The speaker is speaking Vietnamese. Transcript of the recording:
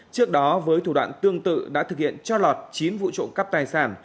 trước đó với thủ đoạn tương tự đã thực hiện cho lọt chín vụ trộm cắp tài sản